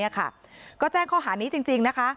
ก็แจ้งข้อหานี้จริงนะคะ